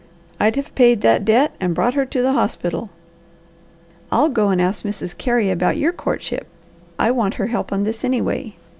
I'd have paid that debt and brought her to the hospital." "I'll go and ask Mrs. Carey about your courtship. I want her help on this, anyway.